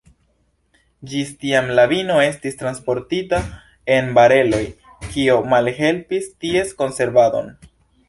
Ĝis tiam la vino estis transportita en bareloj, kio malhelpis ties konservadon.